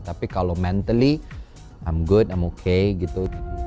tapi kalau mentally i'm good i'm okay gitu